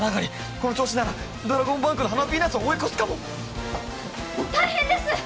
この調子ならドラゴンバンクの花ヴィーナスを追い越すかも大変です！